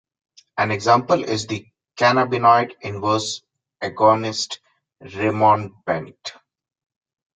An example is the cannabinoid inverse agonist rimonabant.